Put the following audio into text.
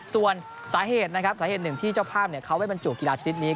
ส่วนสาเหตุนะครับสาเหตุหนึ่งที่เจ้าภาพเขาไม่บรรจุกีฬาชนิดนี้